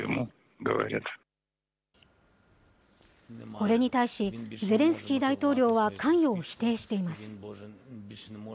これに対し、ゼレンスキー大統領は関与を否定しています。